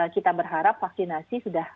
kita berharap vaksinasi sudah